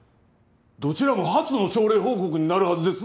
どちらも初の症例報告になるはずですのに。